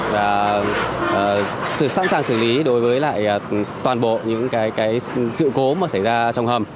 và sẵn sàng xử lý đối với toàn bộ những sự cố mà xảy ra trong hầm